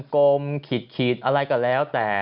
กลมขีดอะไรก็แล้วแต่